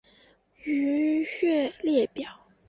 腧穴列表